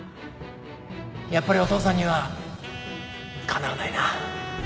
やっぱりお父さんにはかなわないな。